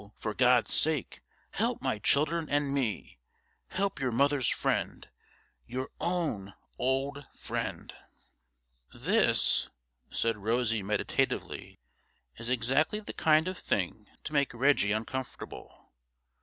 for GOD'S sake, help my children and me. Help your mother's friend, your own old friend. 'This,' said Rosie meditatively, 'is exactly the kind of thing to make Reggie uncomfortable.